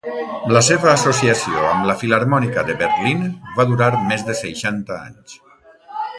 La seva associació amb la Filharmònica de Berlín va durar més de seixanta anys.